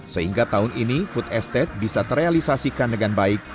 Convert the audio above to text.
sehingga tahun ini food estate bisa terrealisasikan dengan baik